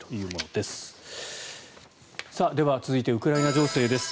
では、続いてウクライナ情勢です。